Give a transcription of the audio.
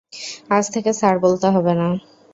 আজ থেকে স্যার বলতে হবে না।